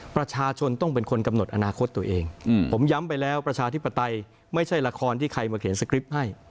ประชาชนต้องเป็นคนกำหนดอนาคตตัวเองผมย้ำไปแล้วประชาธิปไตยไม่ใช่ละครที่ใครมาเขียนสคริปต์ให้